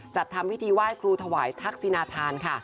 จัดทำพิธีไหว้ครูถวายทักษินาธานค่ะ